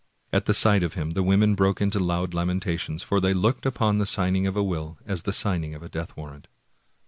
At the sight of him the women broke into loud lamentations, for they looked upon the signing of a will as the signing of a death warrant.